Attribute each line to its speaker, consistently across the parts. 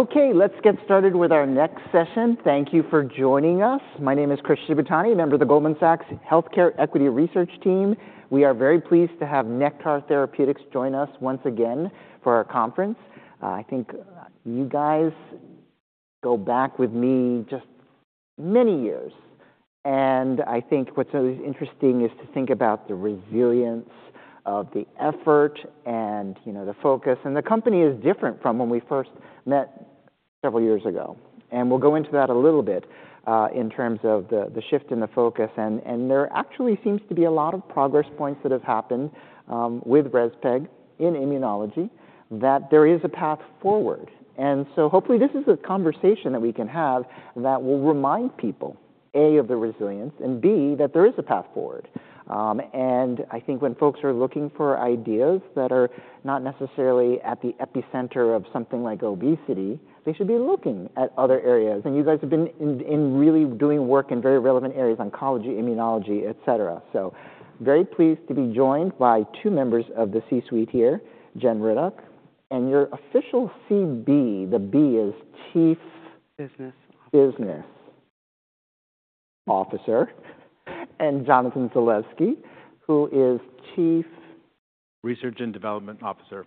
Speaker 1: Okay, let's get started with our next session. Thank you for joining us. My name is Chris Shibutani, member of the Goldman Sachs Healthcare Equity Research Team. We are very pleased to have Nektar Therapeutics join us once again for our conference. I think you guys go back with me just many years, and I think what's always interesting is to think about the resilience of the effort and, you know, the focus. The company is different from when we first met several years ago, and we'll go into that a little bit, in terms of the shift in the focus. There actually seems to be a lot of progress points that have happened, with REZPEG in immunology, that there is a path forward. And so hopefully this is a conversation that we can have that will remind people, A, of the resilience, and B, that there is a path forward. And I think when folks are looking for ideas that are not necessarily at the epicenter of something like obesity, they should be looking at other areas. And you guys have been in really doing work in very relevant areas, oncology, immunology, et cetera. So very pleased to be joined by two members of the C-suite here, Jen Ruddock, and your official CB, the B is Chief-
Speaker 2: Business
Speaker 1: Business Officer, and Jonathan Zalevsky, who is Chief?
Speaker 3: Research and Development Officer.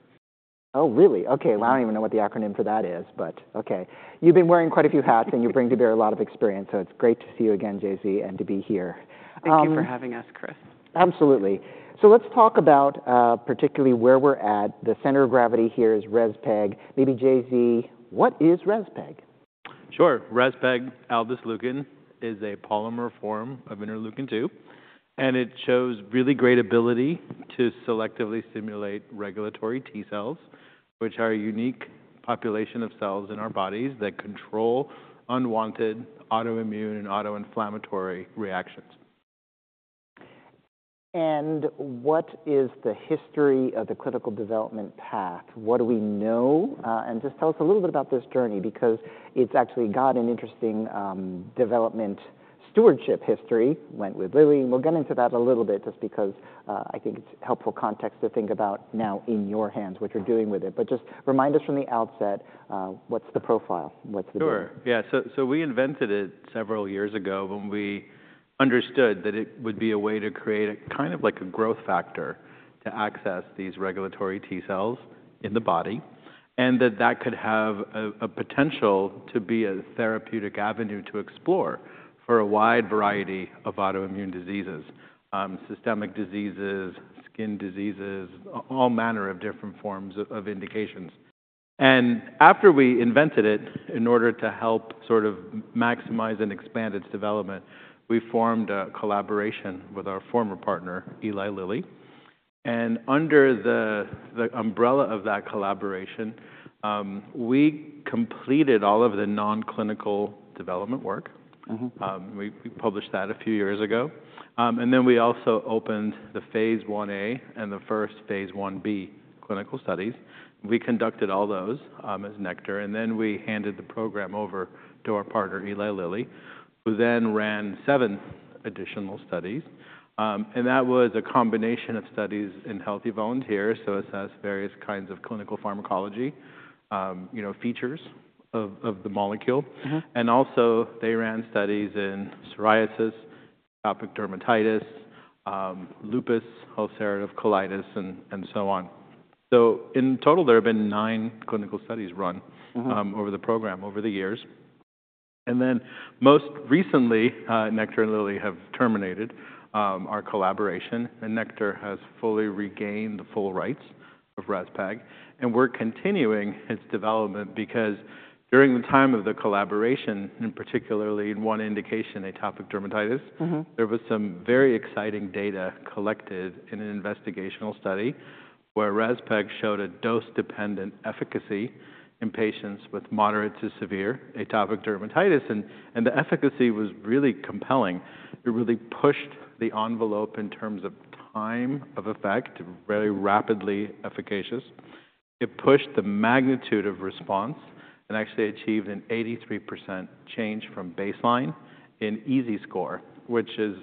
Speaker 1: Oh, really? Okay.
Speaker 3: Yeah.
Speaker 1: Well, I don't even know what the acronym for that is, but okay. You've been wearing quite a few hats, and you bring to bear a lot of experience, so it's great to see you again, J.Z., and to be here.
Speaker 2: Thank you for having us, Chris.
Speaker 1: Absolutely. So let's talk about, particularly where we're at, the center of gravity here is REZPEG. Maybe JZ, what is REZPEG?
Speaker 3: Sure. Rezpegaldesleukin is a polymer form of Interleukin-2, and it shows really great ability to selectively stimulate regulatory T cells, which are a unique population of cells in our bodies that control unwanted autoimmune and autoinflammatory reactions.
Speaker 1: What is the history of the clinical development path? What do we know? And just tell us a little bit about this journey, because it's actually got an interesting development stewardship history. Went with Lilly, and we'll get into that a little bit just because I think it's helpful context to think about now in your hands, what you're doing with it. But just remind us from the outset, what's the profile? What's the deal?
Speaker 3: Sure. Yeah, so, so we invented it several years ago when we understood that it would be a way to create a kind of like a growth factor to access these regulatory T cells in the body, and that that could have a, a potential to be a therapeutic avenue to explore for a wide variety of autoimmune diseases, systemic diseases, skin diseases, all manner of different forms of, of indications. And after we invented it, in order to help sort of maximize and expand its development, we formed a collaboration with our former partner, Eli Lilly. And under the, the umbrella of that collaboration, we completed all of the non-clinical development work.
Speaker 1: Mm-hmm.
Speaker 3: We published that a few years ago. Then we also opened the phase I-A and the first phase I-B clinical studies. We conducted all those as Nektar, and then we handed the program over to our partner, Eli Lilly, who then ran seven additional studies. That was a combination of studies in healthy volunteers, so assess various kinds of clinical pharmacology, you know, features of the molecule.
Speaker 1: Mm-hmm.
Speaker 3: And also, they ran studies in psoriasis, atopic dermatitis, lupus, ulcerative colitis, and so on. So in total, there have been nine clinical studies run over the program, over the years. And then most recently, Nektar and Lilly have terminated our collaboration, and Nektar has fully regained the full rights of REZPEG. And we're continuing its development because during the time of the collaboration, and particularly in one indication, atopic dermatitis-
Speaker 1: Mm-hmm
Speaker 3: -there was some very exciting data collected in an investigational study where REZPEG showed a dose-dependent efficacy in patients with moderate to severe atopic dermatitis, and the efficacy was really compelling. It really pushed the envelope in terms of time of effect, very rapidly efficacious. It pushed the magnitude of response and actually achieved an 83% change from baseline in EASI score, which is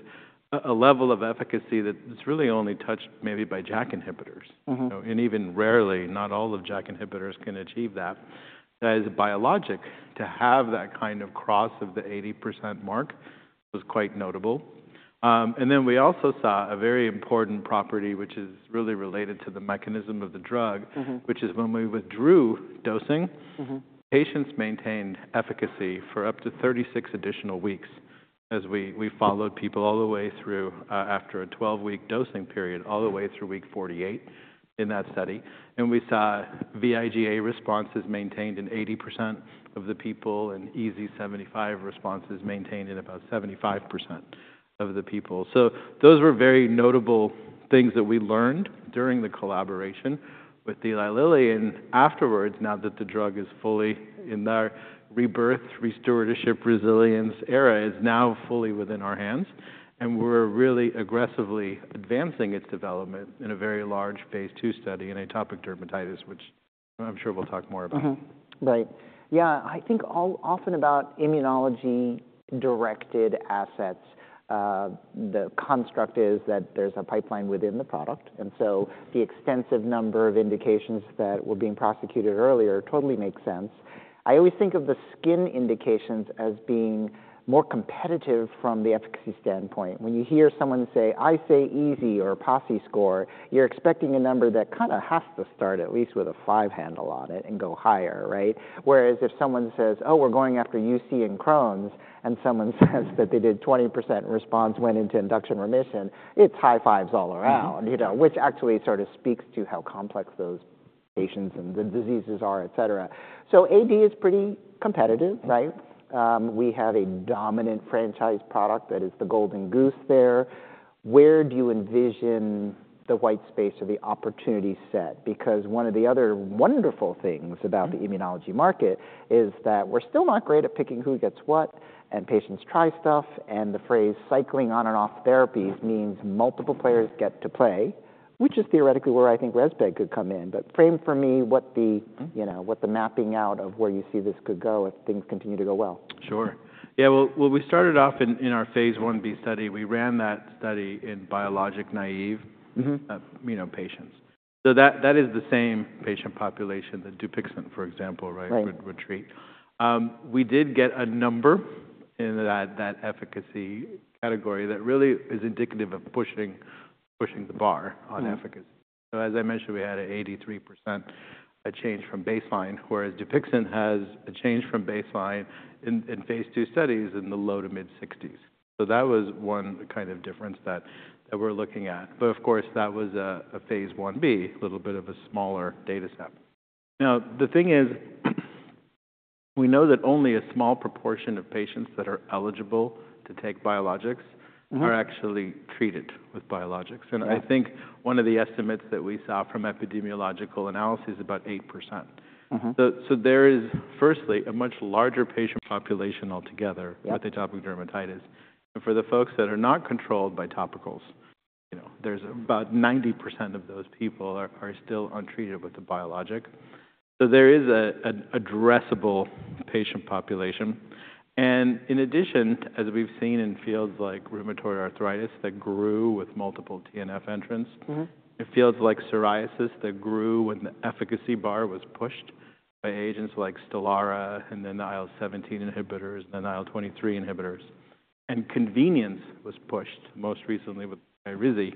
Speaker 3: a level of efficacy that is really only touched maybe by JAK inhibitors.
Speaker 1: Mm-hmm.
Speaker 3: Even rarely, not all of JAK inhibitors can achieve that. As a biologic, to have that kind of cross of the 80% mark was quite notable. Then we also saw a very important property, which is really related to the mechanism of the drug which is when we withdrew dosing patients maintained efficacy for up to 36 additional weeks. As we followed people all the way through, after a 12-week dosing period, all the way through week 48 in that study, and we saw vIGA responses maintained in 80% of the people, and EASI-75 responses maintained in about 75% of the people. Those were very notable things that we learned during the collaboration with Eli Lilly. Afterwards, now that the drug is fully in our rebirth, re-stewardship, resilience era, it's now fully within our hands and we're really aggressively advancing its development in a very large phase II study in atopic dermatitis, which I'm sure we'll talk more about.
Speaker 1: Mm-hmm. Right. Yeah, I think a lot about immunology-directed assets, the construct is that there's a pipeline within the product, and so the extensive number of indications that were being prosecuted earlier totally makes sense. I always think of the skin indications as being more competitive from the efficacy standpoint. When you hear someone say, "EASI" or PASI score, you're expecting a number that kinda has to start at least with a five handle on it and go higher, right? Whereas if someone says, "Oh, we're going after UC and Crohn's," and someone says that they did 20% response, went into induction remission, it's high fives all around- You know, which actually sort of speaks to how complex those patients and the diseases are, et cetera. So AD is pretty competitive, right?
Speaker 3: Mm-hmm.
Speaker 1: We have a dominant franchise product that is the golden goose there. Where do you envision the white space or the opportunity set? Because one of the other wonderful things about the immunology market is that we're still not great at picking who gets what, and patients try stuff, and the phrase "cycling on and off therapies" means multiple players get to play, which is theoretically where I think REZPEG could come in. But frame for me what the you know, what the mapping out of where you see this could go if things continue to go well.
Speaker 3: Sure. Yeah, well, well, we started off in our phase I-B study. We ran that study in biologic naive.
Speaker 1: Mm-hmm
Speaker 3: You know, patients. So that is the same patient population, the Dupixent, for example, right?
Speaker 1: Right.
Speaker 3: We did get a number in that efficacy category that really is indicative of pushing the bar on efficacy. So, as I mentioned, we had an 83% change from baseline, whereas Dupixent has a change from baseline in phase II studies in the low-to-mid-60s. So that was one kind of difference that we're looking at. But of course, that was a phase I-B, little bit of a smaller data set. Now, the thing is, we know that only a small proportion of patients that are eligible to take biologics are actually treated with biologics.
Speaker 1: Right.
Speaker 3: I think one of the estimates that we saw from epidemiological analysis is about 8%.
Speaker 1: Mm-hmm.
Speaker 3: So there is, firstly, a much larger patient population altogether with atopic dermatitis. And for the folks that are not controlled by topicals, you know, there's about 90% of those people are still untreated with the biologic. So there is an addressable patient population. And in addition, as we've seen in fields like rheumatoid arthritis that grew with multiple TNF entrants, in fields like psoriasis, that grew when the efficacy bar was pushed by agents like Stelara and then the IL-17 inhibitors, then IL-23 inhibitors, and convenience was pushed, most recently with Skyrizi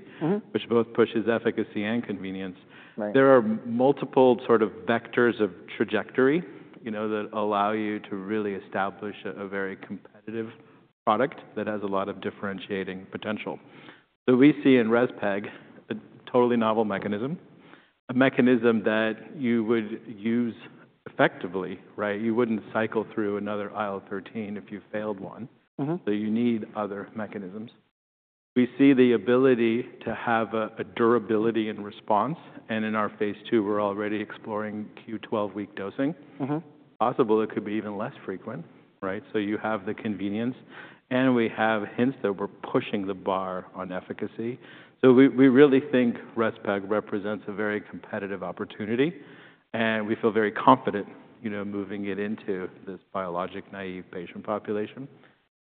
Speaker 3: which both pushes efficacy and convenience.
Speaker 1: Right.
Speaker 3: There are multiple sort of vectors of trajectory, you know, that allow you to really establish a very competitive product that has a lot of differentiating potential. So we see in REZPEG, a totally novel mechanism, a mechanism that you would use effectively, right? You wouldn't cycle through another IL-13 if you failed one.
Speaker 1: Mm-hmm.
Speaker 3: So you need other mechanisms. We see the ability to have a durability in response, and in our phase II, we're already exploring Q-12 week dosing.
Speaker 1: Mm-hmm.
Speaker 3: Possibly it could be even less frequent, right? So you have the convenience, and we have hints that we're pushing the bar on efficacy. So we really think REZPEG represents a very competitive opportunity, and we feel very confident, you know, moving it into this biologic-naive patient population.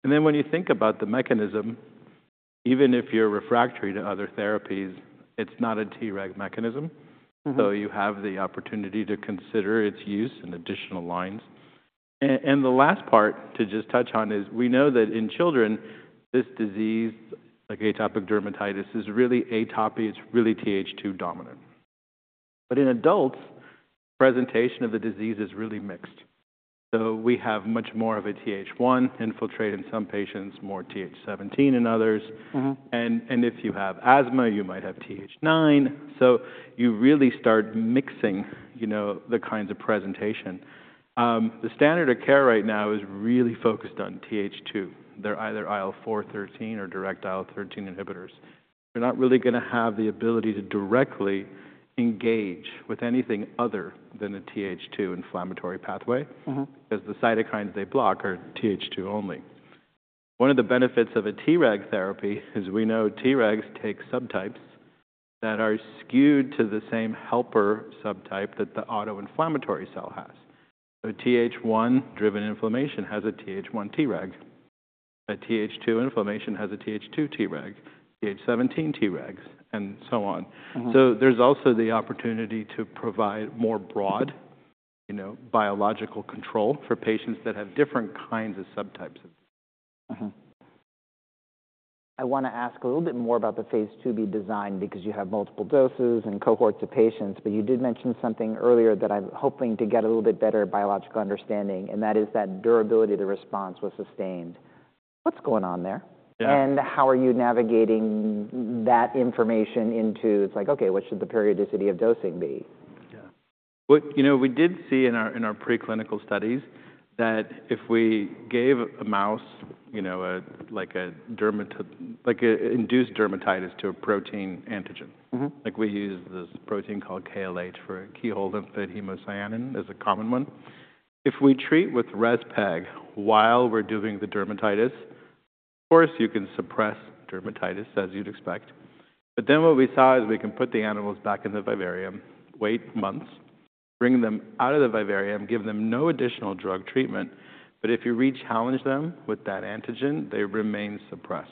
Speaker 3: And then, when you think about the mechanism, even if you're refractory to other therapies, it's not a Treg mechanism.
Speaker 1: Mm-hmm.
Speaker 3: So you have the opportunity to consider its use in additional lines. And the last part to just touch on is, we know that in children, this disease, like atopic dermatitis, is really atopic, it's really Th2 dominant. But in adults, presentation of the disease is really mixed. So we have much more of a Th1 infiltrate in some patients, more Th17 in others.
Speaker 1: Mm-hmm.
Speaker 3: If you have asthma, you might have Th9, so you really start mixing, you know, the kinds of presentation. The standard of care right now is really focused on Th2. They're either IL-4, IL-13, or direct IL-13 inhibitors. You're not really gonna have the ability to directly engage with anything other than a Th2 inflammatory pathway, because the cytokines they block are Th2 only. One of the benefits of a Treg therapy is we know Tregs take subtypes that are skewed to the same helper subtype that the autoinflammatory cell has. A Th1-driven inflammation has a Th1 Treg. A Th2 inflammation has a Th2 Treg, Th17 Tregs, and so on.
Speaker 1: Mm-hmm.
Speaker 3: There's also the opportunity to provide more broad, you know, biological control for patients that have different kinds of subtypes.
Speaker 1: Mm-hmm. I wanna ask a little bit more about the phase IIb design because you have multiple doses and cohorts of patients, but you did mention something earlier that I'm hoping to get a little bit better biological understanding, and that is that durability, the response was sustained. What's going on there?
Speaker 3: Yeah.
Speaker 1: How are you navigating that information into - It's like, okay, what should the periodicity of dosing be?
Speaker 3: Yeah. You know, we did see in our preclinical studies that if we gave a mouse, you know, like a dermatitis induced to a protein antigen like we use this protein called KLH for keyhole limpet hemocyanin as a common one. If we treat with REZPEG while we're doing the dermatitis, of course, you can suppress dermatitis, as you'd expect. But then what we saw is we can put the animals back in the vivarium, wait months, bring them out of the vivarium, give them no additional drug treatment, but if you re-challenge them with that antigen, they remain suppressed.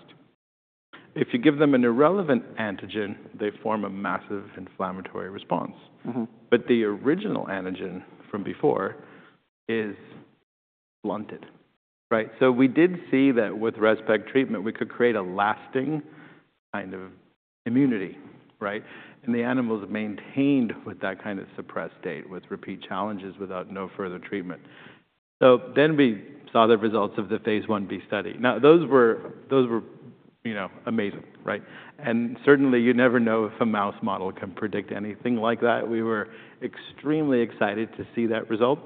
Speaker 3: If you give them an irrelevant antigen, they form a massive inflammatory response.
Speaker 1: Mm-hmm.
Speaker 3: But the original antigen from before is blunted, right? So we did see that with REZPEG treatment, we could create a lasting kind of immunity, right? And the animals maintained with that kind of suppressed state, with repeat challenges without no further treatment. So then we saw the results of phase I-B study. Now, those were, those were, you know, amazing, right? And certainly, you never know if a mouse model can predict anything like that. We were extremely excited to see that result,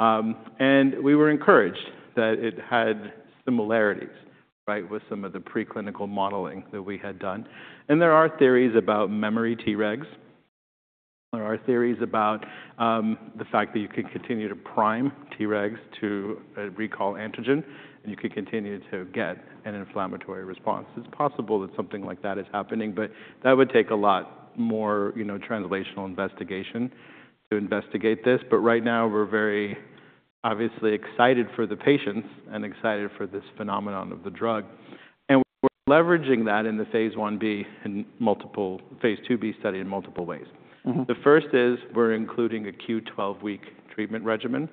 Speaker 3: and we were encouraged that it had similarities, right, with some of the preclinical modeling that we had done. And there are theories about memory Tregs. There are theories about, the fact that you could continue to prime Tregs to, recall antigen, and you could continue to get an inflammatory response. It's possible that something like that is happening, but that would take a lot more, you know, translational investigation to investigate this. But right now, we're very obviously excited for the patients and excited for this phenomenon of the drug, and we're leveraging that in the phase I-B in multiple—phase II-B study in multiple ways.
Speaker 1: Mm-hmm.
Speaker 3: The first is we're including a 12-week treatment regimen,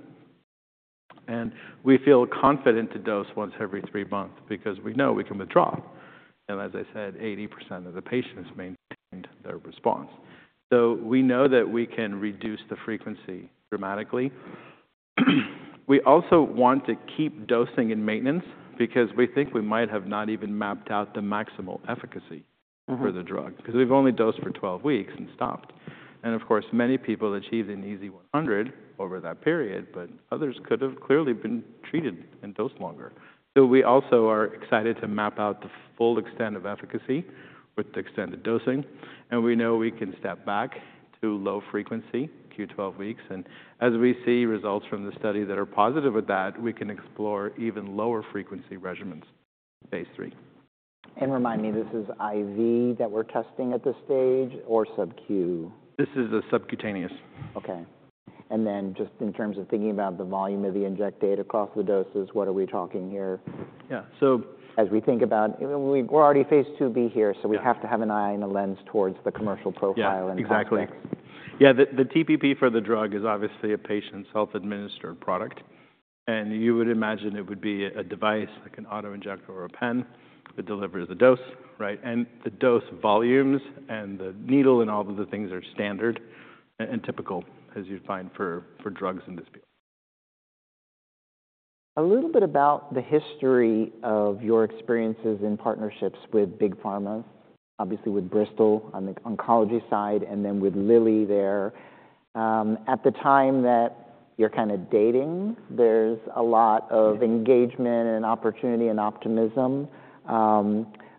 Speaker 3: and we feel confident to dose once every 3 months because we know we can withdraw. And as I said, 80% of the patients maintained their response. So we know that we can reduce the frequency dramatically. We also want to keep dosing in maintenance because we think we might have not even mapped out the maximal efficacy for the drug, 'cause we've only dosed for 12 weeks and stopped. Of course, many people achieve an EASI 100 over that period, but others could have clearly been treated and dosed longer. We also are excited to map out the full extent of efficacy with the extended dosing, and we know we can step back to low frequency, Q12 weeks. As we see results from the study that are positive with that, we can explore even lower frequency regimens in phase 3.
Speaker 1: Remind me, this is IV that we're testing at this stage, or subQ?
Speaker 3: This is a subcutaneous.
Speaker 1: Okay. And then just in terms of thinking about the volume of the injectate across the doses, what are we talking here?
Speaker 3: Yeah. So-
Speaker 1: As we think about, we're already phase II-B here so we have to have an eye and a lens towards the commercial profile and context.
Speaker 3: Yeah, exactly. Yeah, the TPP for the drug is obviously a patient's self-administered product, and you would imagine it would be a device, like an auto-injector or a pen, that delivers the dose, right? The dose volumes and the needle and all of the things are standard and typical as you'd find for drugs in this field.
Speaker 1: A little bit about the history of your experiences and partnerships with big pharma, obviously with Bristol on the oncology side and then with Lilly there. At the time that you're kind of dating, there's a lot of engagement and opportunity and optimism.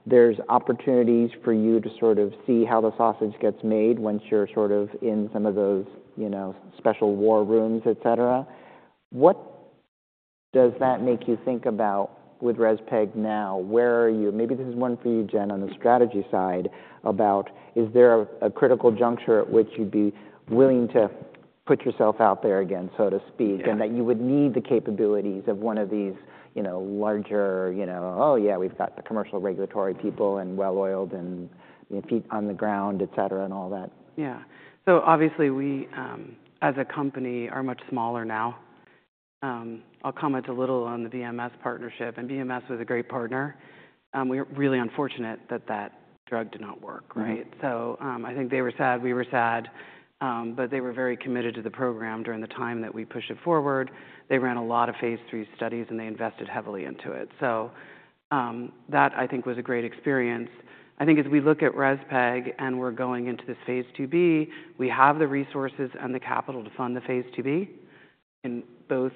Speaker 1: There's opportunities for you to sort of see how the sausage gets made once you're sort of in some of those, you know, special war rooms, et cetera. What does that make you think about with REZPEG now? Where are you? Maybe this is one for you, Jen, on the strategy side, about is there a critical juncture at which you'd be willing to put yourself out there again, so to speak.
Speaker 2: Yeah.
Speaker 1: And that you would need the capabilities of one of these, you know, larger, you know, "Oh, yeah, we've got the commercial regulatory people and well-oiled and feet on the ground," et cetera, and all that.
Speaker 2: Yeah. So obviously, we, as a company, are much smaller now. I'll comment a little on the BMS partnership, and BMS was a great partner. We were really unfortunate that that drug did not work, right? So, I think they were sad, we were sad, but they were very committed to the program during the time that we pushed it forward. They ran a lot of phase III studies, and they invested heavily into it. So, that, I think, was a great experience. I think as we look at REZPEG and we're going into this phase II -B, we have the resources and the capital to fund the phase II-B in both,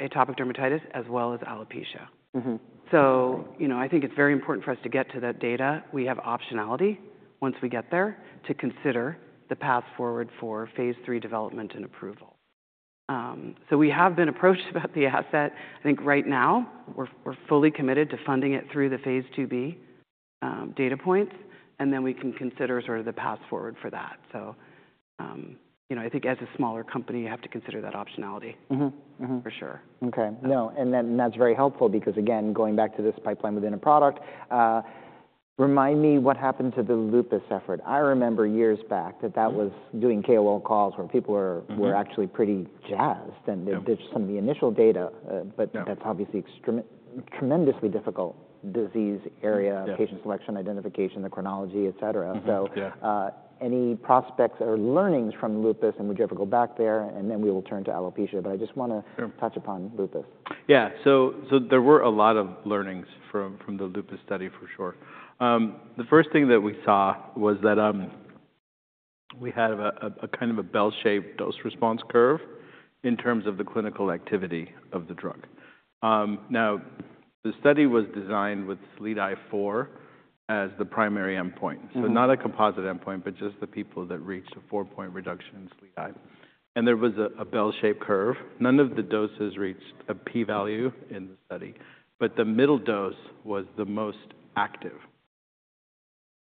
Speaker 2: atopic dermatitis as well as alopecia.
Speaker 1: Mm-hmm.
Speaker 2: So, you know, I think it's very important for us to get to that data. We have optionality once we get there, to consider the path forward for phase III development and approval. So we have been approached about the asset. I think right now, we're, we're fully committed to funding it through the phase II-B data points, and then we can consider sort of the path forward for that. So, you know, I think as a smaller company, you have to consider that optionality.
Speaker 1: Mm-hmm. Mm-hmm
Speaker 2: For sure.
Speaker 1: Okay. No, and then that's very helpful because, again, going back to this pipeline within a product, remind me what happened to the Lupus effort. I remember years back that was doing KOL calls where people were were actually pretty jazzed and some of the initial data, but that's obviously extreme, tremendously difficult disease area.
Speaker 3: Yeah.
Speaker 1: Patient selection, identification, the chronology, et cetera.
Speaker 3: Mm-hmm. Yeah.
Speaker 1: So, any prospects or learnings from Lupus, and would you ever go back there? And then we will turn to alopecia, but I just wanna touch upon lupus.
Speaker 3: Yeah. So there were a lot of learnings from the Lupus study, for sure. The first thing that we saw was that we had a kind of a bell-shaped dose response curve in terms of the clinical activity of the drug. Now, the study was designed with SLEDAI-4 as the primary endpoint.
Speaker 1: Mm-hmm.
Speaker 3: So not a composite endpoint, but just the people that reached a 4-point reduction in SLEDAI. And there was a bell-shaped curve. None of the doses reached a p-value in the study, but the middle dose was the most active.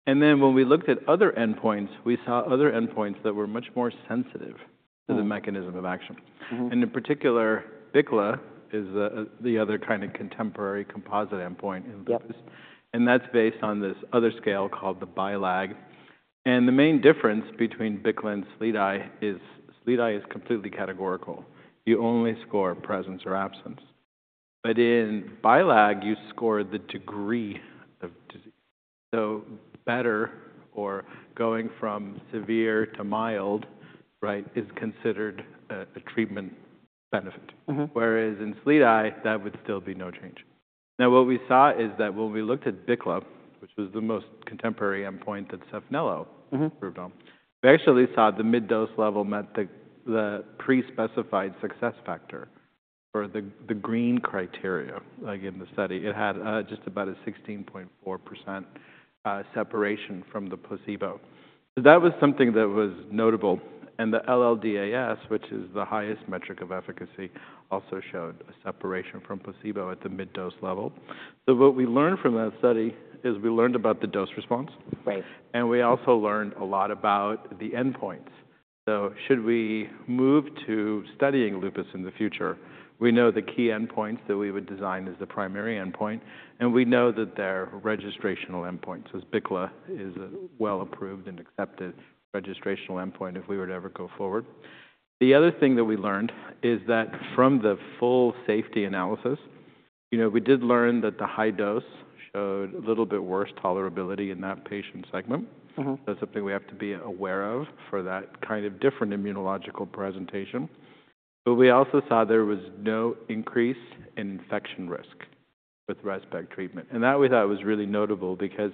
Speaker 3: And then, when we looked at other endpoints, we saw other endpoints that were much more sensitive to the mechanism of action.
Speaker 1: Mm-hmm.
Speaker 3: In particular, BICLA is the other kind of contemporary composite endpoint in lupus.
Speaker 1: Yep.
Speaker 3: That's based on this other scale called the BILAG. The main difference between BICLA and SLEDAI is SLEDAI is completely categorical. You only score presence or absence. But in BILAG, you score the degree of disease, so better or going from severe to mild, right, is considered a treatment benefit.
Speaker 1: Mm-hmm.
Speaker 3: Whereas in SLEDAI, that would still be no change. Now, what we saw is that when we looked at BICLA, which was the most contemporary endpoint that Saphnelo improved on, we actually saw the mid-dose level met the, the pre-specified success factor or the, the green criteria, like in the study. It had, just about a 16.4% separation from the placebo. So that was something that was notable, and the LLDAS, which is the highest metric of efficacy, also showed a separation from placebo at the mid-dose level. So what we learned from that study is we learned about the dose response.
Speaker 1: Right.
Speaker 3: We also learned a lot about the endpoints. So should we move to studying lupus in the future, we know the key endpoints that we would design as the primary endpoint, and we know that they're registrational endpoints, as BICLA is a well-approved and accepted registrational endpoint if we were to ever go forward. The other thing that we learned is that from the full safety analysis, you know, we did learn that the high dose showed a little bit worse tolerability in that patient segment.
Speaker 1: Mm-hmm.
Speaker 3: That's something we have to be aware of for that kind of different immunological presentation. But we also saw there was no increase in infection risk with REZPEG treatment, and that we thought was really notable because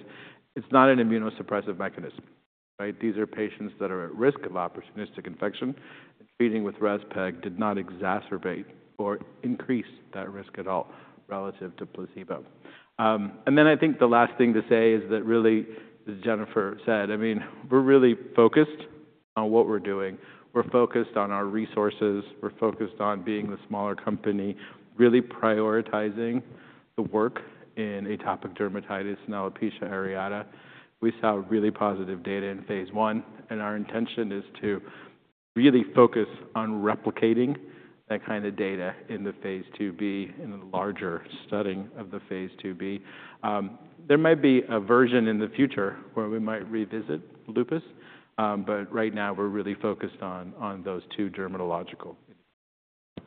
Speaker 3: it's not an immunosuppressive mechanism, right? These are patients that are at risk of opportunistic infection. Treating with REZPEG did not exacerbate or increase that risk at all relative to placebo. And then I think the last thing to say is that really, as Jennifer said, I mean, we're really focused on what we're doing. We're focused on our resources. We're focused on being the smaller company, really prioritizing the work in atopic dermatitis and alopecia areata. We saw really positive data in phase I, and our intention is to really focus on replicating that kind of data in the phase II-B, in the larger studying of the phase II-B. There might be a version in the future where we might revisit lupus, but right now, we're really focused on those two dermatological.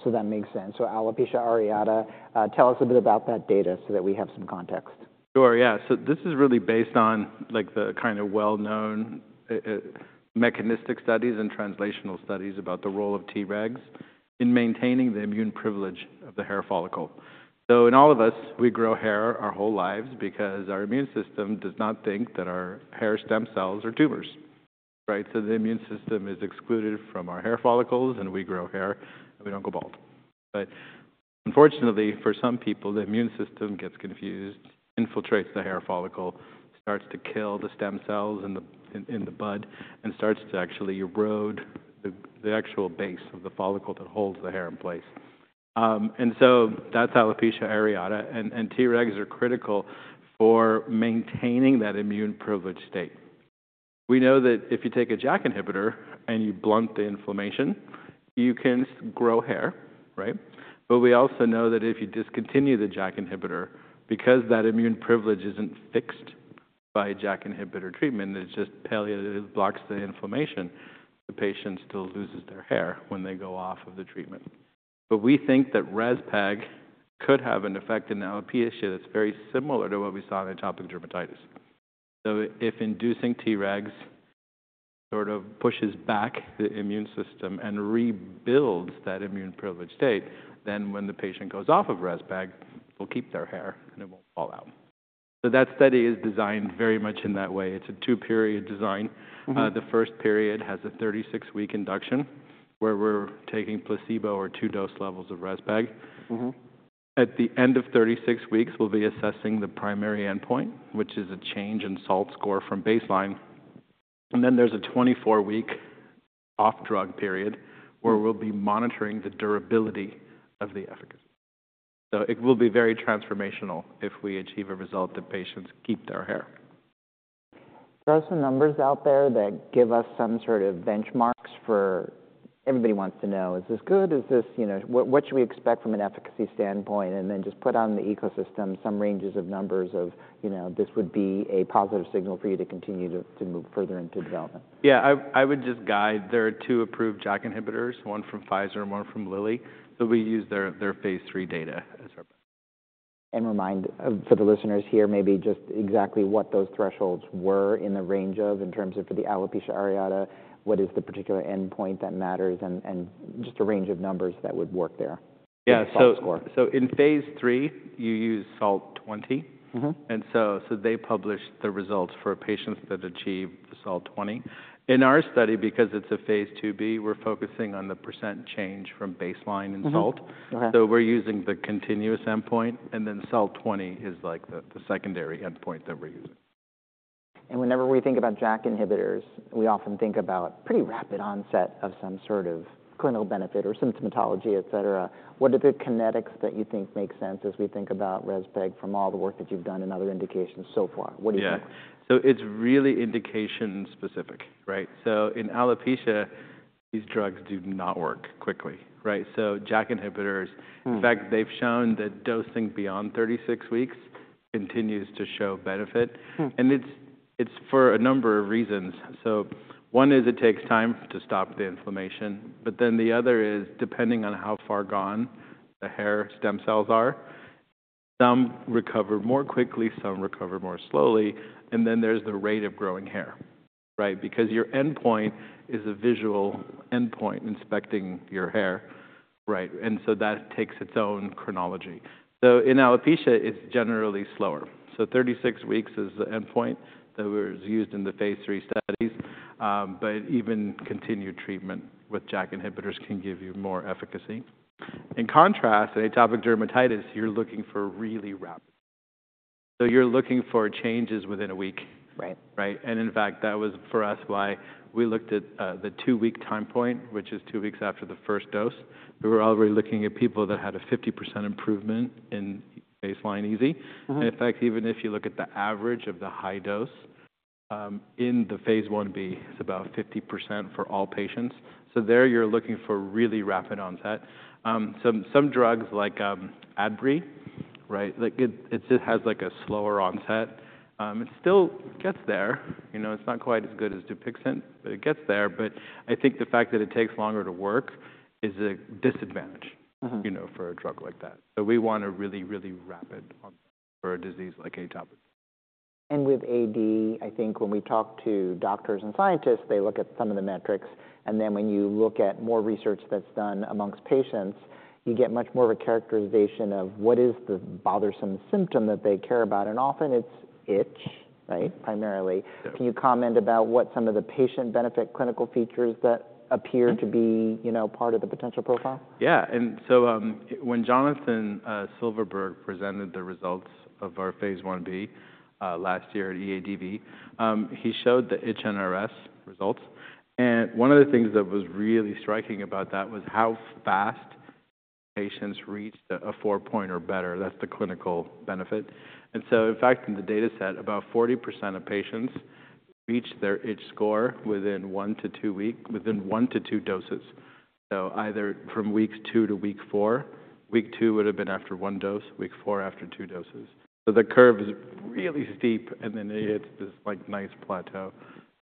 Speaker 1: So that makes sense. So alopecia areata, tell us a bit about that data so that we have some context.
Speaker 3: Sure, yeah. So this is really based on, like, the kind of well-known mechanistic studies and translational studies about the role of Tregs in maintaining the immune privilege of the hair follicle. So in all of us, we grow hair our whole lives because our immune system does not think that our hair stem cells are tumors, right? So the immune system is excluded from our hair follicles, and we grow hair, and we don't go bald. But unfortunately, for some people, the immune system gets confused, infiltrates the hair follicle, starts to kill the stem cells in the bud, and starts to actually erode the actual base of the follicle that holds the hair in place. And so that's alopecia areata, and Tregs are critical for maintaining that immune privileged state. We know that if you take a JAK inhibitor and you blunt the inflammation, you can grow hair, right? But we also know that if you discontinue the JAK inhibitor, because that immune privilege isn't fixed by JAK inhibitor treatment, it just palliated, it blocks the inflammation, the patient still loses their hair when they go off of the treatment. But we think that REZPEG could have an effect in alopecia that's very similar to what we saw in atopic dermatitis. So if inducing Tregs sort of pushes back the immune system and rebuilds that immune privileged state, then when the patient goes off of REZPEG, they'll keep their hair, and it won't fall out. So that study is designed very much in that way. It's a two-period design.
Speaker 1: Mm-hmm.
Speaker 3: The first period has a 36-week induction, where we're taking placebo or two dose levels of REZPEG.
Speaker 1: Mm-hmm.
Speaker 3: At the end of 36 weeks, we'll be assessing the primary endpoint, which is a change in SALT score from baseline, and then there's a 24-week off-drug period, where we'll be monitoring the durability of the efficacy. So it will be very transformational if we achieve a result that patients keep their hair.
Speaker 1: Are there some numbers out there that give us some sort of benchmarks for - everybody wants to know, is this good? Is this, you know, what, what should we expect from an efficacy standpoint? And then just put on the ecosystem some ranges of numbers of, you know, this would be a positive signal for you to continue to, to move further into development.
Speaker 3: Yeah, I would just guide, there are two approved JAK inhibitors, one from Pfizer and one from Lilly, so we use their phase 3 data as our-
Speaker 1: And remind, for the listeners here, maybe just exactly what those thresholds were in the range of, in terms of for the alopecia areata, what is the particular endpoint that matters and, and just a range of numbers that would work there?
Speaker 3: Yeah
Speaker 1: For SALT score?
Speaker 3: So, in phase III, you use SALT 20.
Speaker 1: Mm-hmm.
Speaker 3: So they published the results for patients that achieve the SALT 20. In our study, because it's a phase II-B, we're focusing on the pecent change from baseline in SALT.
Speaker 1: Mm-hmm. Okay.
Speaker 3: So we're using the continuous endpoint, and then SALT 20 is, like, the secondary endpoint that we're using.
Speaker 1: And whenever we think about JAK inhibitors, we often think about pretty rapid onset of some sort of clinical benefit or symptomatology, et cetera. What are the kinetics that you think make sense as we think about REZPEG from all the work that you've done in other indications so far? What do you think?
Speaker 3: Yeah. So it's really indication-specific, right? So in alopecia, these drugs do not work quickly, right? So JAK inhibitors. In fact, they've shown that dosing beyond 36 weeks continues to show benefit.
Speaker 1: Hmm.
Speaker 3: It's, it's for a number of reasons. One is it takes time to stop the inflammation, but then the other is, depending on how far gone the hair stem cells are, some recover more quickly, some recover more slowly, and then there's the rate of growing hair, right? Because your endpoint is a visual endpoint, inspecting your hair, right, and so that takes its own chronology. In alopecia, it's generally slower. 36 weeks is the endpoint that was used in the phase III studies, but even continued treatment with JAK inhibitors can give you more efficacy. In contrast, atopic dermatitis, you're looking for really rapid. You're looking for changes within a week.
Speaker 1: Right.
Speaker 3: Right? In fact, that was, for us, why we looked at the two-week time point, which is two weeks after the first dose. We were already looking at people that had a 50% improvement in baseline EASI.
Speaker 1: Mm-hmm.
Speaker 3: In fact, even if you look at the average of the high dose in phase I-B, it's about 50% for all patients. So there you're looking for really rapid onset. Some drugs like Adbry, right? Like, it just has, like, a slower onset. It still gets there. You know, it's not quite as good as Dupixent, but it gets there. But I think the fact that it takes longer to work is a disadvantage you know, for a drug like that. So we want a really, really rapid onset for a disease like atopic.
Speaker 1: With AD, I think when we talk to doctors and scientists, they look at some of the metrics, and then when you look at more research that's done among patients, you get much more of a characterization of what is the bothersome symptom that they care about. Often it's itch, right, primarily.
Speaker 3: Yeah.
Speaker 1: Can you comment about what some of the patient benefit clinical features that appear to be, you know, part of the potential profile?
Speaker 3: Yeah, and so, when Jonathan Silverberg presented the results of phase I-B last year at EADV, he showed the itch NRS results, and one of the things that was really striking about that was how fast patients reached a four point or better. That's the clinical benefit. And so, in fact, in the dataset, about 40% of patients reached their itch score within one to two doses. So either from week two to week four, week two would have been after one dose, week four after two doses. So the curve is really steep, and then it hits this, like, nice plateau.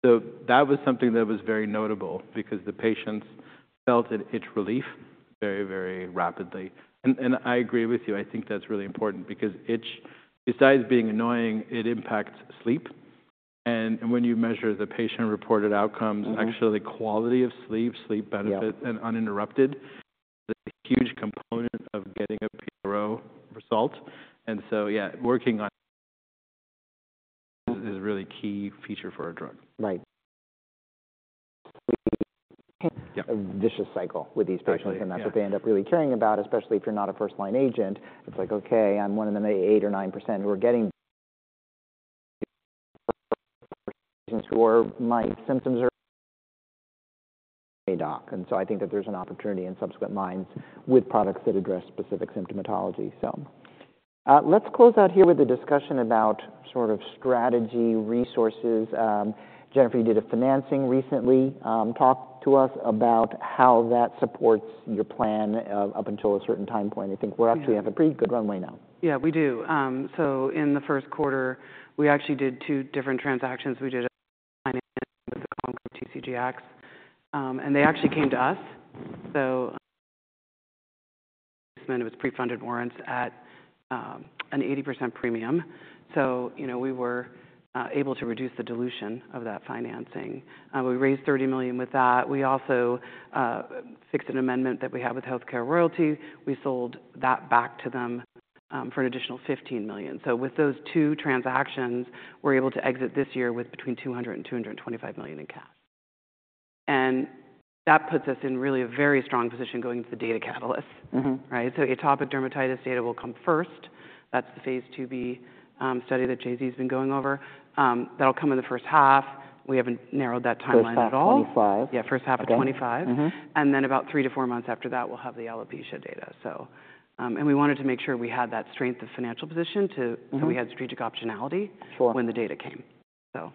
Speaker 3: So that was something that was very notable because the patients felt an itch relief very, very rapidly. I agree with you, I think that's really important because itch, besides being annoying, it impacts sleep, and when you measure the patient-reported outcomes actually, quality of sleep, sleep benefit-
Speaker 1: Yeah
Speaker 3: -And uninterrupted, is a huge component of getting a PRO result. And so, yeah, working on is a really key feature for our drug.
Speaker 1: Right. A vicious cycle with these patients.
Speaker 3: Exactly, yeah
Speaker 1: And that's what they end up really caring about, especially if you're not a first-line agent. It's like, okay, I'm one of the maybe 8% or 9% who are getting... patients who are, "My symptoms are...," doc. And so I think that there's an opportunity in subsequent minds with products that address specific symptomatology. So, let's close out here with a discussion about sort of strategy, resources. Jennifer, you did a financing recently. Talk to us about how that supports your plan up until a certain time point. I think we actually have a pretty good runway now.
Speaker 2: Yeah, we do. So in the first quarter, we actually did two different transactions. We did a finance with the TCGX, and they actually came to us. So it was pre-funded warrants at an 80% premium. So, you know, we were able to reduce the dilution of that financing. We raised $30 million with that. We also fixed an amendment that we had with Healthcare Royalty. We sold that back to them for an additional $15 million. So with those two transactions, we're able to exit this year with between $200 million and $225 million in cash. And that puts us in really a very strong position going into the data catalyst.
Speaker 1: Mm-hmm.
Speaker 2: Right? So atopic dermatitis data will come first. That's the phase II-B study that JZ has been going over. That'll come in the first half. We haven't narrowed that timeline at all.
Speaker 1: First half of 2025.
Speaker 2: Yeah, first half of 2025.
Speaker 1: Mm-hmm.
Speaker 2: And then about three to four months after that, we'll have the alopecia data. So, and we wanted to make sure we had that strength of financial position to so we had strategic optionality when the data came. So.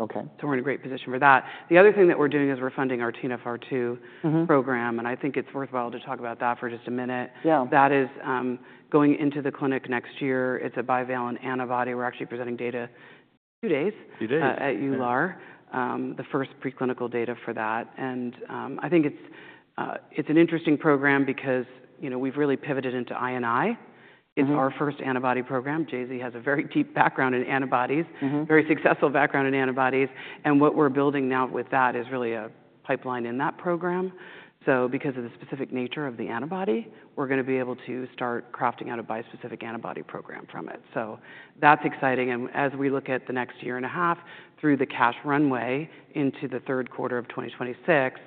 Speaker 1: Okay.
Speaker 2: So we're in a great position for that. The other thing that we're doing is we're funding our TNF-R2 program, and I think it's worthwhile to talk about that for just a minute.
Speaker 1: Yeah.
Speaker 2: That is, going into the clinic next year. It's a bivalent antibody. We're actually presenting data two days-
Speaker 3: Two days...
Speaker 2: at EULAR, the first preclinical data for that. I think it's an interesting program because, you know, we've really pivoted into INI.
Speaker 1: Mm-hmm.
Speaker 2: It's our first antibody program. JZ has a very deep background in antibodies.
Speaker 1: Mm-hmm
Speaker 2: Very successful background in antibodies. And what we're building now with that is really a pipeline in that program. So because of the specific nature of the antibody, we're gonna be able to start crafting out a bispecific antibody program from it. So that's exciting, and as we look at the next year and a half through the cash runway into the third quarter of 2026,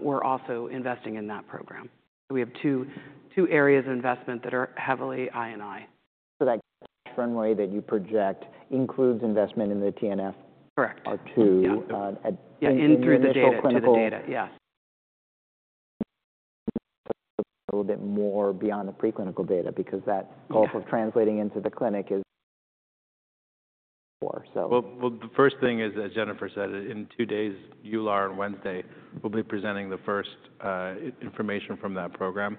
Speaker 2: we're also investing in that program. So we have two areas of investment that are heavily I and I.
Speaker 1: So that runway that you project includes investment in the TNF?
Speaker 2: Correct.
Speaker 1: Or to,
Speaker 2: Yeah, in through the data-
Speaker 1: Initial clinical
Speaker 2: To the data, yes.
Speaker 1: A little bit more beyond the preclinical data, because that goal of translating into the clinic is four, so.
Speaker 3: Well, well, the first thing is, as Jennifer said, in two days, EULAR on Wednesday, we'll be presenting the first information from that program.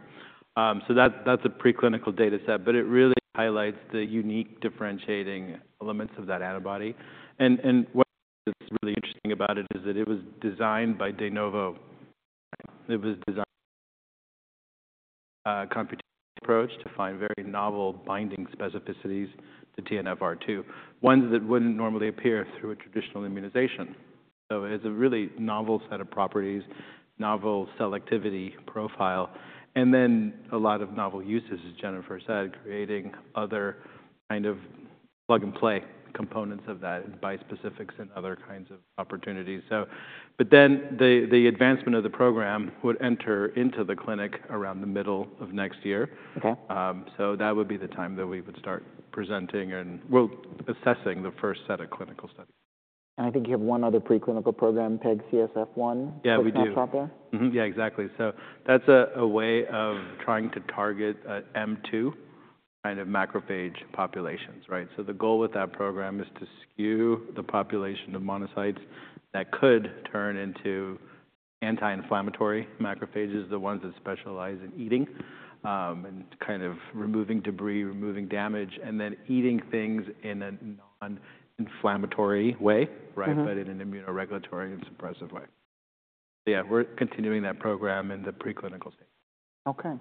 Speaker 3: So that, that's a preclinical data set, but it really highlights the unique differentiating elements of that antibody. And, and what's really interesting about it is that it was designed by de novo. It was designed, computational approach to find very novel binding specificities to TNFR2, ones that wouldn't normally appear through a traditional immunization. So it's a really novel set of properties, novel selectivity profile, and then a lot of novel uses, as Jennifer said, creating other kind of plug-and-play components of that, bispecifics and other kinds of opportunities, so. But then the advancement of the program would enter into the clinic around the middle of next year.
Speaker 1: Okay.
Speaker 3: So that would be the time that we would start presenting and assessing the first set of clinical studies.
Speaker 1: I think you have one other preclinical program, PEG CSF-1?
Speaker 3: Yeah, we do.
Speaker 1: If not proper.
Speaker 3: Mm-hmm. Yeah, exactly. So that's a way of trying to target a M2 kind of macrophage populations, right? So the goal with that program is to skew the population of monocytes that could turn into anti-inflammatory macrophages, the ones that specialize in eating and kind of removing debris, removing damage, and then eating things in a non-inflammatory way right, but in an immunoregulatory and suppressive way. Yeah, we're continuing that program in the preclinical stage.
Speaker 1: Okay.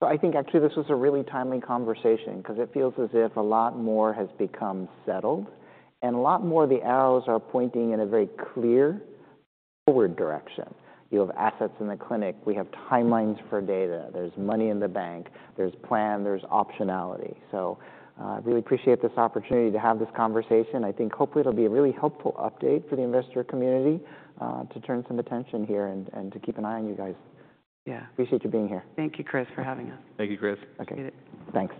Speaker 1: So I think actually this was a really timely conversation, 'cause it feels as if a lot more has become settled, and a lot more of the arrows are pointing in a very clear forward direction. You have assets in the clinic. We have timelines for data. There's money in the bank. There's plan, there's optionality. So, I really appreciate this opportunity to have this conversation. I think hopefully it'll be a really helpful update for the investor community, to turn some attention here and, and to keep an eye on you guys.
Speaker 2: Yeah.
Speaker 1: Appreciate you being here.
Speaker 2: Thank you, Chris, for having us.
Speaker 3: Thank you, Chris.
Speaker 1: Okay.
Speaker 2: Appreciate it.
Speaker 1: Thanks.